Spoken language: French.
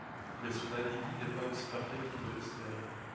Mais son alibi n'est pas aussi parfait qu'il ne l'espérait...